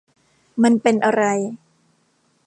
มันเป็นอะไร